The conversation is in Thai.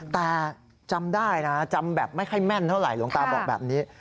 แต่จำได้นะจำแบบไม่ค่อยแม่นเท่าไหหลวงตาบอกแบบนี้